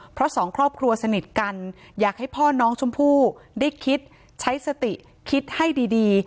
เพราะสองครอบครัวสนิทกันอยากให้พ่อน้องชมพู่ได้คิดใช้สติคิดให้ดี